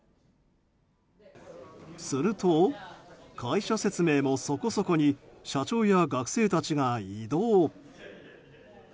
すると、会社説明もそこそこに社長や学生たちが移動。